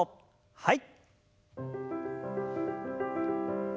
はい。